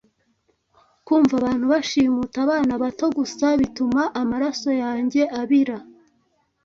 Kumva abantu bashimuta abana bato gusa bituma amaraso yanjye abira.